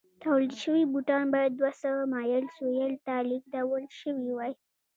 تولید شوي بوټان باید دوه سوه مایل سویل ته لېږدول شوي وای.